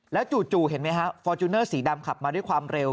แล้วจู่เห็นไหมฮะฟอร์จูเนอร์สีดำขับมาด้วยความเร็ว